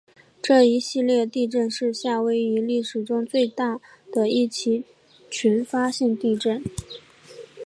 这一系列的地震是夏威夷历史中最大的一起群发性地震。